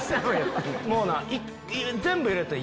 もうな。